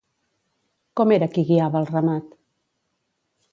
Com era qui guiava el ramat?